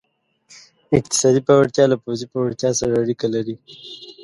اقتصادي پیاوړتیا له پوځي پیاوړتیا سره اړیکه لري.